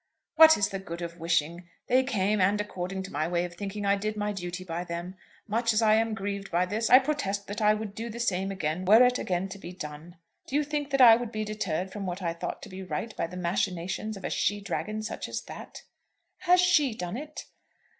"What is the good of wishing? They came, and according to my way of thinking I did my duty by them. Much as I am grieved by this, I protest that I would do the same again were it again to be done. Do you think that I would be deterred from what I thought to be right by the machinations of a she dragon such as that?" "Has she done it?"